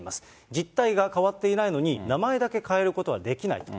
実態が変わっていないのに、名前だけ変えることはできないと。